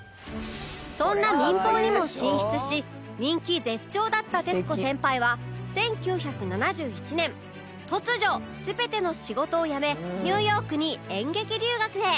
そんな民放にも進出し人気絶頂だった徹子先輩は１９７１年突如全ての仕事を辞めニューヨークに演劇留学へ